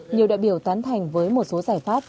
nhiều đại biểu tán thành với một số giải pháp